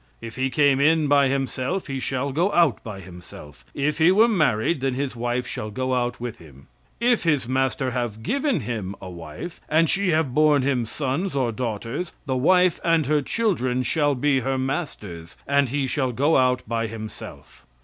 "If he came in by himself, he shall go out by himself; if he were married, then his wife shall go out with him. "If his master have given him a wife, and she have borne him sons or daughters; the wife and her children shall be her master's, and he shall go out by himself.